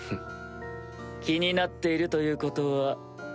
気になっているということは。